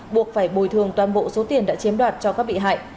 buộc phải bồi thường toàn bộ số tiền đã chiếm đoạt cho các bị hại